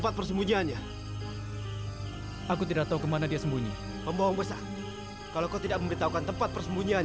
terima kasih telah merekam dalam bidang perempuan